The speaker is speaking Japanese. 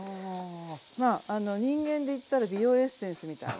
まあ人間でいったら美容エッセンスみたいな。